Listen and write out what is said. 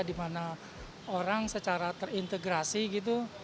di mana orang secara terintegrasi gitu